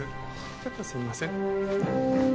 ちょっとすいません。